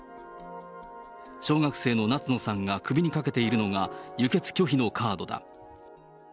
小学生の夏野さんが首にかけているのが、輸血拒否のカードだ。